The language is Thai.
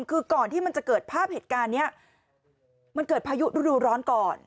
คือก่อนที่มันจะเกิดภาพเหตุการณ์นี้มันเกิดพายุฤดูร้อนก่อน